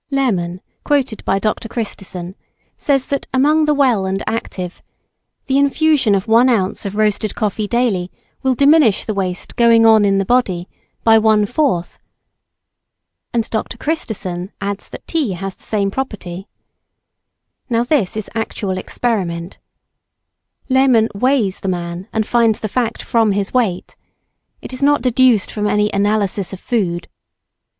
Lehman, quoted by Dr. Christison, says that, among the well and active "the infusion of 1 oz. of roasted coffee daily will diminish the waste" going on in the body" "by one fourth," [Transcriber's note: Quotes as in the original] and Dr. Christison adds that tea has the same property. Now this is actual experiment. Lehman weighs the man and finds the fact from his weight. It is not deduced from any "analysis" of food.